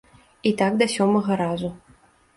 І так да сёмага разу.